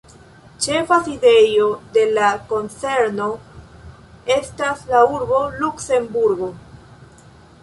Ĉefa sidejo de la konzerno estas la urbo Luksemburgo.